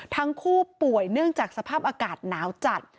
ทั้งคู่ป่วยเนื่องจากสภาพอากาศหนาวจัด